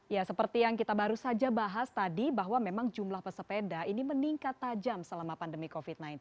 ya seperti yang kita baru saja bahas tadi bahwa memang jumlah pesepeda ini meningkat tajam selama pandemi covid sembilan belas